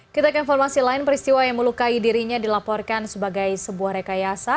kita ke informasi lain peristiwa yang melukai dirinya dilaporkan sebagai sebuah rekayasa